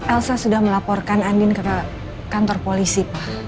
elsa sudah melaporkan andin ke kantor polisi